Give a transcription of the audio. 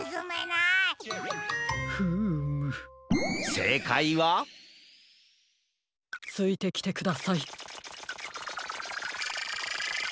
せいかいはついてきてください。